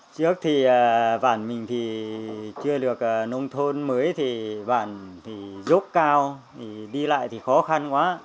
trước thì bản mình chưa được nông thôn mới thì bản dốc cao đi lại thì khó khăn quá